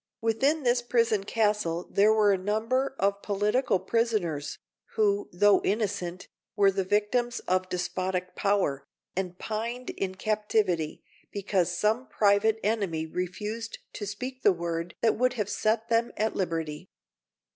Within this prison castle there were a number of political prisoners, who, though innocent, were the victims of despotic power, and pined in captivity, because some private enemy refused to speak the word that would have set them at liberty.